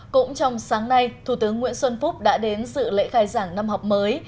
cũng trong sáng nay thủ tướng nguyễn xuân phúc đã đến sự lễ khai giảng năm học mới